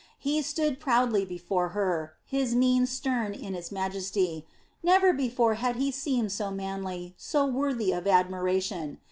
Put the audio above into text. He stood proudly before her, his mien stern in its majesty never before had he seemed so manly, so worthy of admiration.